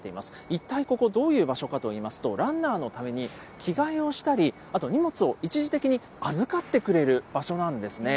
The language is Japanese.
一体ここ、どういう場所かといいますと、ランナーのために着替えをしたり、あと荷物を一時的に預かってくれる場所なんですね。